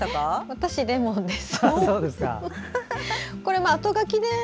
私、レモンです。